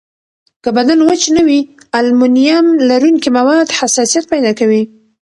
که بدن وچ نه وي، المونیم لرونکي مواد حساسیت پیدا کوي.